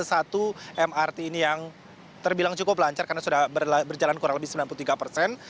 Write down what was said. satu mrt ini yang terbilang cukup lancar karena sudah berjalan kurang lebih sembilan puluh tiga persen